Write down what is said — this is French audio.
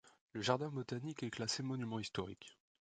Le jardin botanique est classé Monument historique.